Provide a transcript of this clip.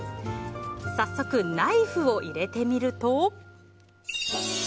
早速、ナイフを入れてみると。